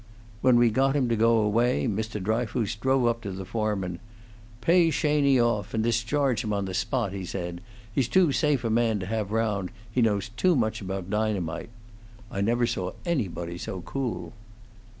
When we got him to go away, Mr. Dryfoos drove up to his foreman. 'Pay Sheney off, and discharge him on the spot,' says he. 'He's too safe a man to have round; he knows too much about dynamite.' I never saw anybody so cool."